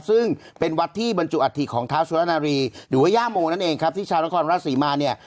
ซึ่งเป็นวัดที่บรรจุอัฐิของเท้าสุรนารีหรือว่าย่าโมนั่นเองครับที่ชาวนครราชศรีมาเนี่ย